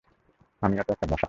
আমি তো একট মশা।